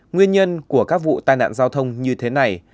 nguyên nhân của các vụ tai nạn giao thông như thế này